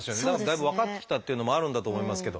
だいぶ分かってきたっていうのもあるんだと思いますけど。